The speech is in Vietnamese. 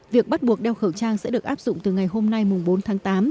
việc bắt buộc đeo khẩu trang sẽ được áp dụng từ ngày hôm nay bốn tháng tám